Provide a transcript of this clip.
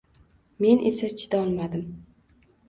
Men esa chidolmadim